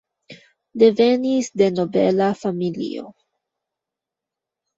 Devenis de nobela familio.